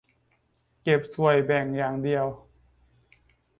เก็บส่วยแบ่งอย่างเดียว